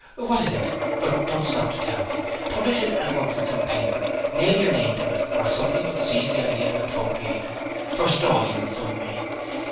'What is it? But don't stop to tell me. Publish it at once in some paper; nail your name to it, or somebody will seize the idea and appropriate it, forestall you in some way.